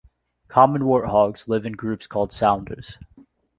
Common warthogs live in groups called sounders.